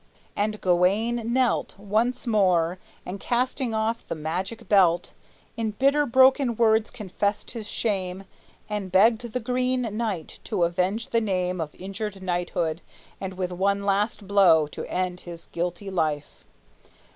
And Gawayne knelt Once more, and casting off the magic belt, In bitter broken words confessed his shame, And begged the Green Knight to avenge the name Of injured knighthood, and with one last blow To end his guilty life.